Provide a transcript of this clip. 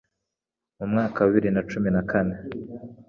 Mu mwaka wa bibiri na cumin a kane